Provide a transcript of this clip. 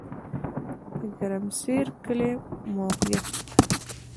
د ګرمسر کلی موقعیت